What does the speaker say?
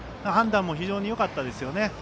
判断も非常によかったですね。